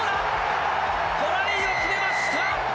トライを決めました！